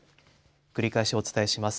繰り返しお伝えします。